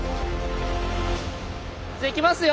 じゃあいきますよ。